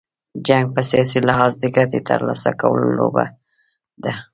جنګ په سیاسي لحاظ، د ګټي تر لاسه کولو لوبه ده.